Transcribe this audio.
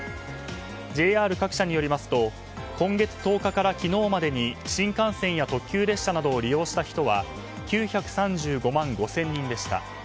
ＪＲ各社によりますと今月１０日から昨日までに新幹線や特急列車などを利用した人は９３５万５０００人でした。